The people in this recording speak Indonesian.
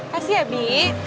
kasih ya bi